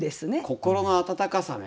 心の温かさね。